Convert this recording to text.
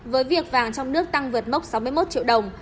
với việc vàng trong nước tăng vượt mốc sáu mươi một triệu đồng